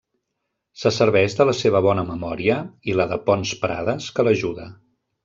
Se serveix de la seva bona memòria i la de Pons Prades, que l'ajuda.